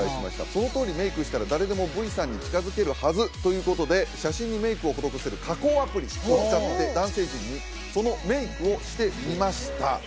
そのとおりメイクしたら誰でもＶさんに近づけるはずということで写真にメイクを施せる加工アプリを使って男性陣にそのメイクをしてみました